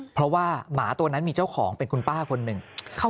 เพราะว่าหมาตัวนั้นมีเจ้าของเป็นคุณป้าคนหนึ่ง